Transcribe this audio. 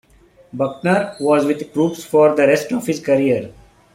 Buckner was with troops for the rest of his career.